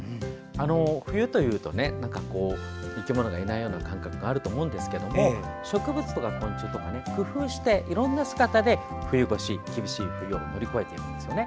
冬というと生き物がいないような感覚があると思うんですけども植物とか昆虫とか工夫して、いろんな姿で冬越し、厳しい冬を乗り越えているんですよね。